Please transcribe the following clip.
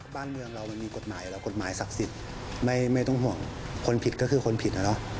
บ้านเมืองเรามันมีกฎหมายอยู่แล้วกฎหมายศักดิ์สิทธิ์ไม่ต้องห่วงคนผิดก็คือคนผิดอะเนาะ